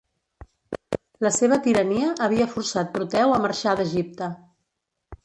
La seva tirania havia forçat Proteu a marxar d'Egipte.